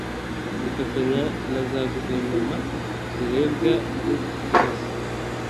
zifatanya na za Guverinoma zirebwa n’iki kibazo